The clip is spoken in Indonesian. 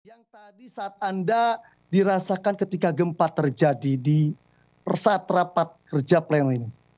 yang tadi saat anda dirasakan ketika gempa terjadi di saat rapat kerja pleno ini